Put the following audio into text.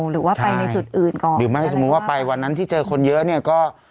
หรือว่าไปในจุดอื่นก่อนหรือไม่สมมุติว่าไปวันนั้นที่เจอคนเยอะเนี่ยก็